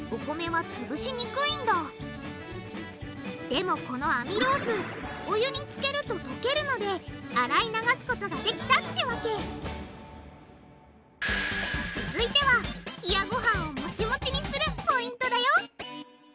でもこのアミロースお湯につけると溶けるので洗い流すことができたってわけ続いては冷やごはんをモチモチにするポイントだよ。